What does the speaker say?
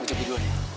bikin tidur dulu neng